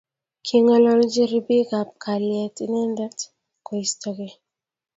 King'ololji Ripik ab Kalyet inendet Koistokei